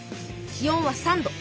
気温は３度。